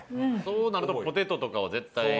そうなるとポテトとかは絶対。